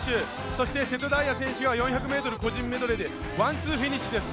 そして瀬戸大也選手が４００ｍ個人メドレーでワンツーフィニッシュです。